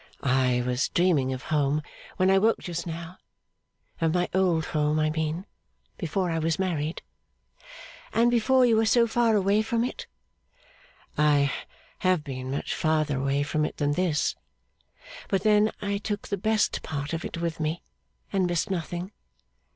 'I was dreaming of home when I woke just now. Of my old home, I mean, before I was married.' 'And before you were so far away from it.' 'I have been much farther away from it than this; but then I took the best part of it with me, and missed nothing.